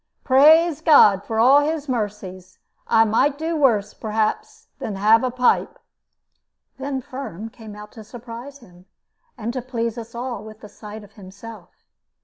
Praise God for all His mercies. I might do worse, perhaps, than have a pipe." Then Firm came out to surprise him, and to please us all with the sight of himself.